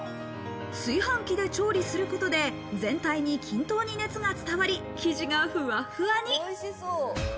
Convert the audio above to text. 炊飯器で調理することで、全体に均等に熱が伝わり、生地がふわふわに。